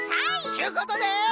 ちゅうことで。